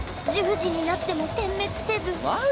１０時になっても点滅せず！